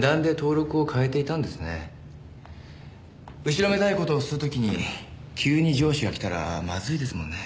後ろめたい事をする時に急に上司が来たらまずいですもんね。